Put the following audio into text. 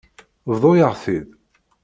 Bḍu-yaɣ-t-id.